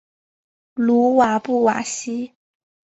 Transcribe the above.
鲁瓦布瓦西。